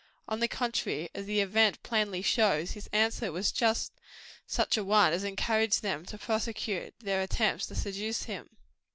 On the contrary, as the event plainly shows, his answer was just such a one as encouraged them to prosecute their attempts to seduce him.